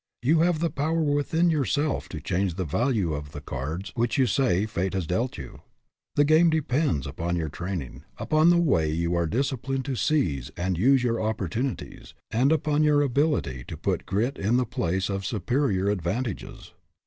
You have the power within yourself to change the value of the cards which, you 220 WHAT HAS LUCK DONE? say, fate has dealt you. The game depends upon your training, upon the way you are dis ciplined to seize and use your opportunities, and upon your ability to put grit in the place of superior advantages.